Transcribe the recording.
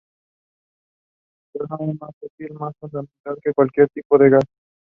El prana es más sutil, más fundamental que cualquier tipo de gas".